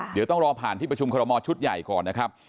เดี๋ยวต้องรอผ่านที่ประชุมคอรมอลชุดใหญ่ก่อนนะครับ